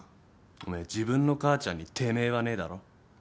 おめえ自分の母ちゃんに「てめえ」はねえだろ。